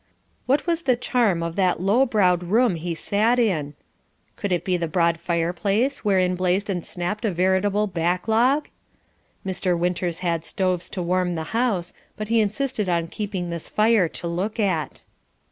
What was the charm of that low browed room he sat in? Could it be the broad fireplace, wherein blazed and snapped a veritable back log? Mr. Winters had stoves to warm the house, but he insisted on keeping this fire to look at.